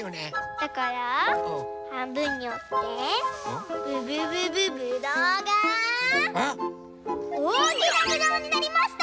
だからはんぶんにおってぶぶぶぶぶどうがおおきなぶどうになりました！